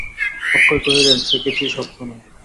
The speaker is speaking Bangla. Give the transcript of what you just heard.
অক্ষয় কহিলেন, সে কিছুই শক্ত নয়।